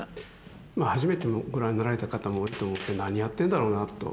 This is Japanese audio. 初めてご覧になられた方も多いと思って何やってんだろうなと。